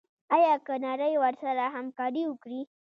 آیا که نړۍ ورسره همکاري وکړي؟